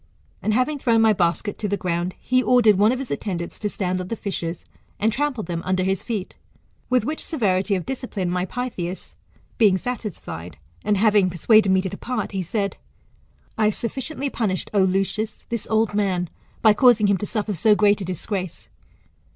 And having thrown my basket to the ground, he ordered one of his attendants to stand on the fishes, and trample them under his feet With which severity of discipline my Pytheas lieing satisfied, and having persuaded me to depart, he said, I have sufficiently punished, O Lucius, this old man, by causing him to suffer so greni a disgrace.